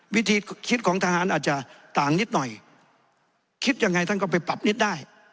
วิธีคิดของทหารอาจจะต่างนิดหน่อยคิดยังไงท่านก็ไปปรับนิดได้